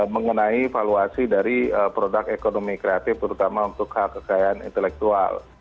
mengenai valuasi dari produk ekonomi kreatif terutama untuk hak kekayaan intelektual